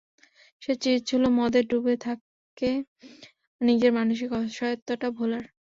সে চেয়েছিল মদে ডুবে থেকে নিজের মানসিক অসহায়ত্বটা ভোলার!